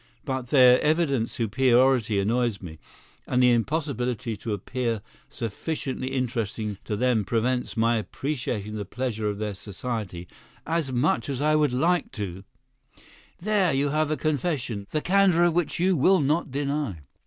But their evident superiority annoys me, and the impossibility to appear sufficiently interesting to them prevents my appreciating the pleasure of their society as much as I would like to—there you have a confession, the candor of which you will not deny.